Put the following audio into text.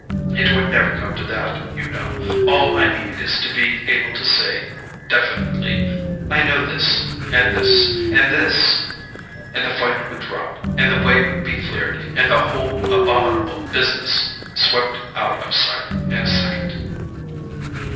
It would never come to that, you know: all I need is to be able to say definitely: 'I know this—and this—and this'—and the fight would drop, and the way be cleared, and the whole abominable business swept out of sight in a second."